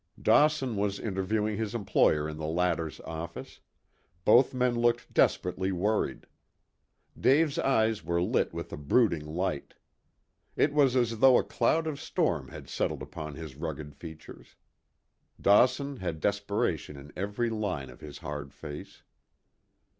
Dawson was interviewing his employer in the latter's office. Both men looked desperately worried. Dave's eyes were lit with a brooding light. It was as though a cloud of storm had settled upon his rugged features. Dawson had desperation in every line of his hard face.